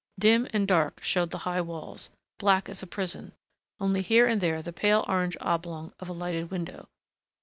Dim and dark showed the high walls, black as a prison, only here and there the pale orange oblong of a lighted window.